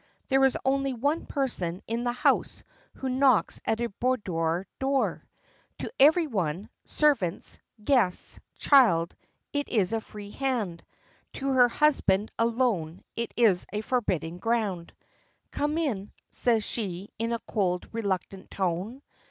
There is only one person in the house who knocks at her boudoir door. To every one, servants, guests, child, it is a free land; to her husband alone it is forbidden ground. "Come in," says she, in a cold, reluctant tone.